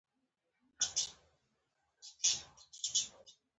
ښه نیت د ټولو کارونو بنسټ دی.